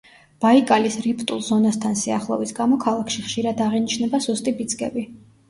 ბაიკალის რიფტულ ზონასთან სიახლოვის გამო ქალაქში ხშირად აღინიშნება სუსტი ბიძგები.